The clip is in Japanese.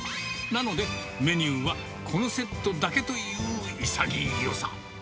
なので、メニューはこのセットだけという潔さ。